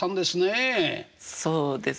そうですね。